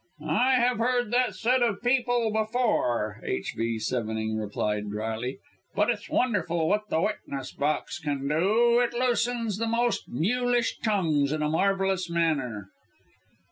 "I have heard that said of people before," H.V. Sevenning replied dryly, "but it's wonderful what the witness box can do; it loosens the most mulish tongues in a marvellous manner."